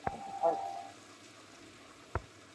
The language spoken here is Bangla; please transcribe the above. তারপর বলছি তোকে ঠিক কী করতে হবে।